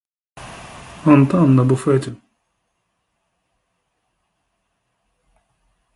Он там на буфеті.